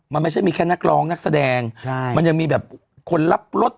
มันไม่ใช่มีแค่นักร้องนักแสดงใช่มันยังมีแบบคนรับรถ